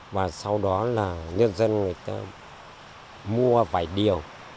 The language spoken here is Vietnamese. và sau đó là nhân dân người ta mua vải điều